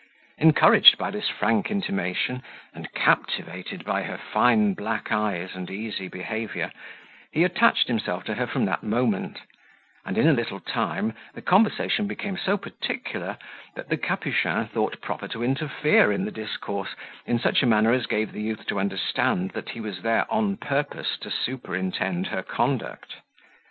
Encouraged by this frank intimation, and captivated by her fine black eyes and easy behaviour, he attached himself to her from that moment; and, in a little time, the conversation became so particular, that the Capuchin thought proper to interfere in the discourse in such a manner as gave the youth to understand that he was there on purpose to superintend her conduct.